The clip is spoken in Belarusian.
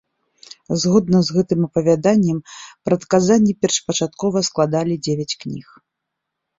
Згодна з гэтым апавяданнем, прадказанні першапачаткова складалі дзевяць кніг.